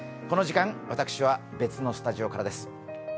この時間、私は別のスタジオからです。